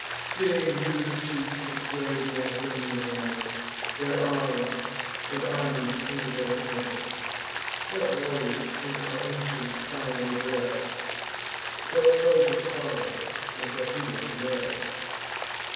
Sing you the chiefs that sway'd th' Ausonian land, Their arms, and armies under their command; What warriors in our ancient clime were bred; What soldiers follow'd, and what heroes led.